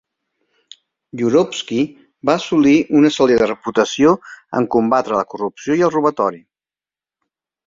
Yurovsky va assolit una sòlida reputació en combatre la corrupció i el robatori.